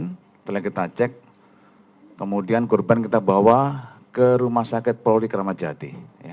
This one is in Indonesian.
setelah kita cek kemudian korban kita bawa ke rumah sakit polri kramajati